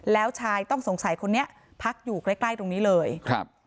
แล้วชายต้องสงสัยคนนี้พักอยู่ใกล้ใกล้ตรงนี้เลยครับ